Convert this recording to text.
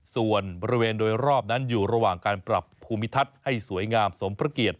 ส่วนบริเวณโดยรอบนั้นอยู่ระหว่างการปรับภูมิทัศน์ให้สวยงามสมพระเกียรติ